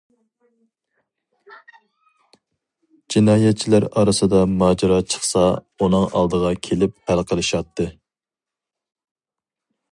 جىنايەتچىلەر ئارىسىدا ماجىرا چىقسا، ئۇنىڭ ئالدىغا كېلىپ ھەل قىلىشاتتى.